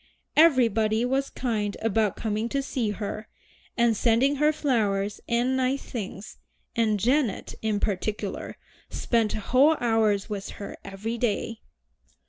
Everybody was kind about coming to see her, and sending her flowers and nice things, and Janet, in particular, spent whole hours with her every day.